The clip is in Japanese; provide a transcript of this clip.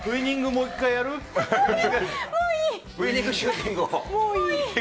もういい。